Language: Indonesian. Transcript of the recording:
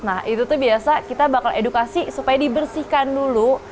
nah itu tuh biasa kita bakal edukasi supaya dibersihkan dulu